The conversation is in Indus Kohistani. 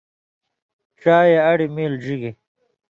ڇائ اڑیۡ میل ڙِگیۡ